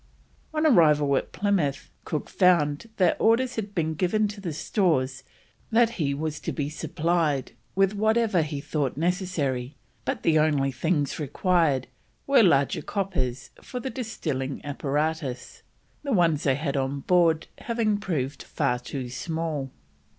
On arrival at Plymouth, Cook found that orders had been given to the stores that he was to be supplied with whatever he thought necessary, but the only things required were larger coppers for the distilling apparatus, the ones they had on board having proved far too small.